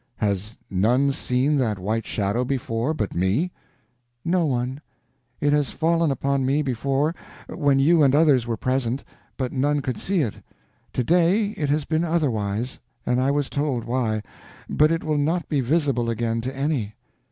"Has none seen that white shadow before but me?" "No one. It has fallen upon me before when you and others were present, but none could see it. To day it has been otherwise, and I was told why; but it will not be visible again to any."